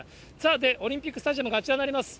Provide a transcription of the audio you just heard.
で、オリンピックスタジアムがあちらになります。